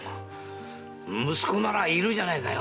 息子ならいるじゃねえかよ！